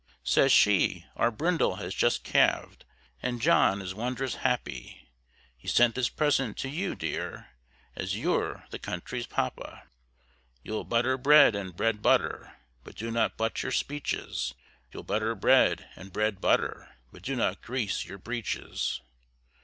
Says she, "Our brindle has just calved, And John is wondrous happy. He sent this present to you, dear, As you're the 'country's papa.'" "You'll butter bread and bread butter, But do not butt your speeches. You'll butter bread and bread butter, But do not grease your breeches."